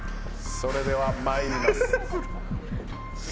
それでは参ります。